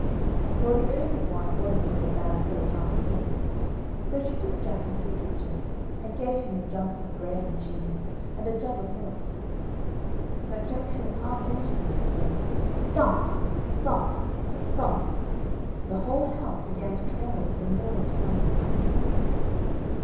Well, the ogre's wife wasn't such a bad sort, after all. So she took Jack into the kitchen, and gave him a junk of bread and cheese and a jug of milk. But Jack hadn't half finished these when thump! thump! thump! the whole house began to tremble with the noise of someone coming.